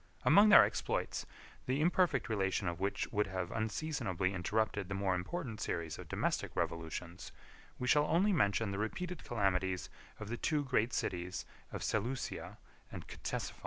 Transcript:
Among their exploits, the imperfect relation of which would have unseasonably interrupted the more important series of domestic revolutions, we shall only mention the repeated calamities of the two great cities of Seleucia and Ctesiphon.